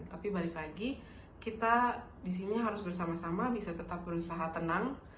tapi balik lagi kita di sini harus bersama sama bisa tetap berusaha tenang